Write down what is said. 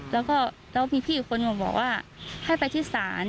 แล้วมีพี่อีกคนบอกว่าให้ไปที่ศาล